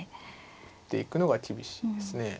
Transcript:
打っていくのが厳しいですね。